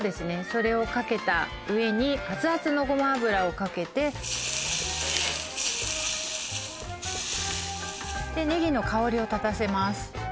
それをかけた上にアツアツのごま油をかけてネギの香りを立たせます